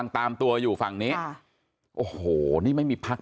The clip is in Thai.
ตามตัวอยู่ฝั่งนี้ค่ะโอ้โหนี่ไม่มีพัก